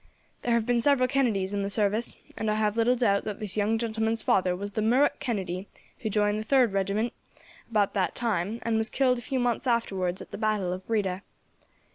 There have been several Kennedys in the service, and I have little doubt that this young gentleman's father was the Murroch Kennedy who joined the third regiment, about that time, and was killed a few months afterwards at the battle of Breda.